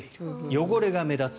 汚れが目立つ。